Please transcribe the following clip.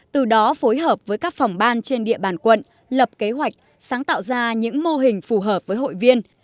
từ đó phối hợp với các phòng ban trên địa bàn quận lập kế hoạch sáng tạo ra những mô hình phù hợp với hội viên